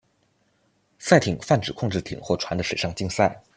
赛艇泛指控制艇或船的水上竞赛。